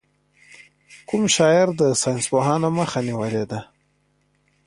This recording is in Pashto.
کوم شاعر د ساینسپوهانو مخه نېولې ده.